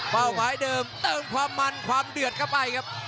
หมายเดิมเติมความมันความเดือดเข้าไปครับ